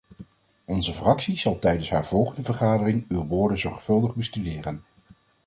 Onze fractie zal tijdens haar volgende vergadering uw woorden zorgvuldig bestuderen.